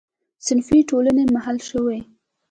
صنفي ټولنې منحل شوې.